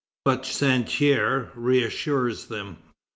But Santerre reassures them.